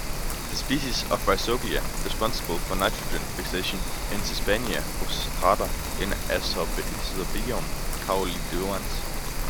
The species of rhizobia responsible for nitrogen fixation in "Sesbania rostrata" is "Azorhizobium caulinodans".